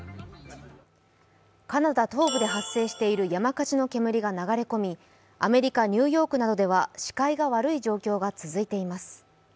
カナダ東部で発生している山火事の煙が流れ込みアメリカ・ニューヨークなどでは視界が悪い状況が続いています。